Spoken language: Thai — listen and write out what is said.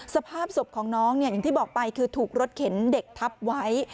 สภาพศพของน้องอย่างที่บอกไปคือถูกรถเข็นเด็กทับไว้